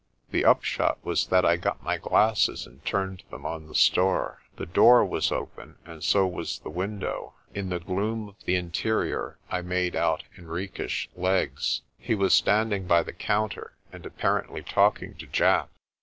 The upshot was that I got my glasses and turned them on the store. The door was open, and so was the window. In the gloom of the interior I made out Henriques' legs. He was standing by the counter, and apparently talking to Japp.